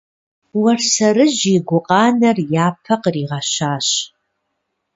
Уэрсэрыжь и гукъанэр япэ къригъэщащ.